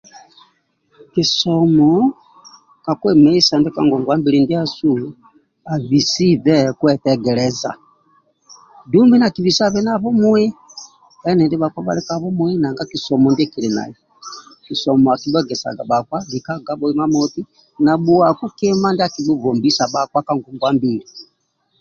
Kisomo sa kwe meisa kagogwabili abisibe kwetegeleza dumbi nakibisabe bumui enindi kili nabumui nanga kisomo kisomo akibhuegesaga bhakpa lika kabumui na bhuwaku kima ndia ki bhubombisa bhakpa ka ngogwa mbili